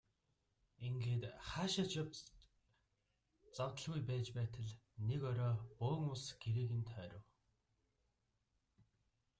Ингээд хаашаа ч явж завдалгүй байж байтал нэг орой бөөн улс гэрийг нь тойров.